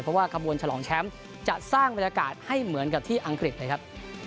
เพราะว่าขบวนฉลองแชมป์จะสร้างบรรยากาศให้เหมือนกับที่อังกฤษเลยครับ